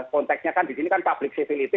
konteksnya kan di sini kan public civility